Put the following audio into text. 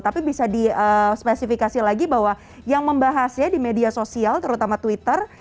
tapi bisa di spesifikasi lagi bahwa yang membahasnya di media sosial terutama twitter